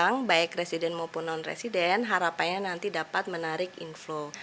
jadi kalau baik resident maupun non resident harapannya nanti dapat menarik inflow